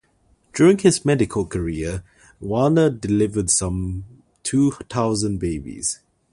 During his medical career, Warner delivered some two thousand babies.